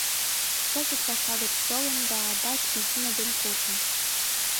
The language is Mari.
Кызыт паша гыч толын да адак Изина дек куржын...